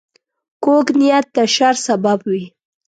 کوږ نیت د شر سبب وي